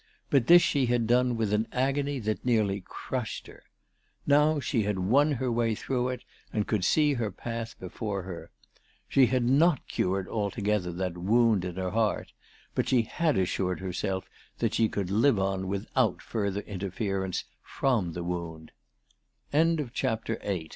But this she had done with an agony that nearly crushed her. Now she had won her way through it, and could see her path before her. She had not cured altogether that wound in her heart ; but she had assured herself that she could live on without furt